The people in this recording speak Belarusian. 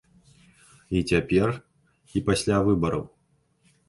І цяпер, і пасля выбараў.